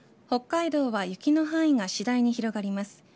北海道は雪の範囲が次第に広がります。